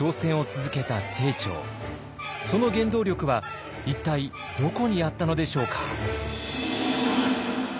その原動力は一体どこにあったのでしょうか。